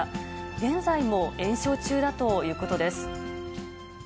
現在も延焼中だということです。